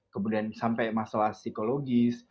kemudian sampai masalah psikologis